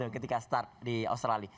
ketika start di australia